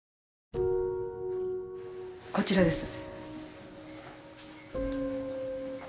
こちらです。